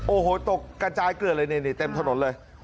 โอ้โหตกกระจายเกลือดเลยนี่เต็มถนนเลย